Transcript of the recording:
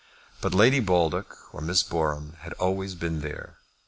But Lady Baldock or Miss Boreham had always been there.